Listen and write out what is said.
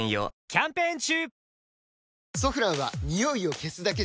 キャンペーン中！